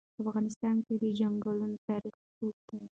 په افغانستان کې د چنګلونه تاریخ اوږد دی.